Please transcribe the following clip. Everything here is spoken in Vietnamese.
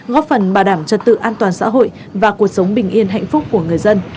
góp phần bảo đảm trật tự an toàn xã hội và cuộc sống bình yên hạnh phúc của người dân